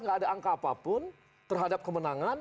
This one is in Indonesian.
gak ada angka apapun terhadap kemenangan